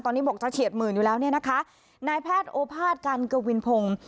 ตอนนี้บอกจะเฉียดหมื่นอยู่แล้วเนี่ยนะคะนายแพทย์โอภาษการกวินพงศ์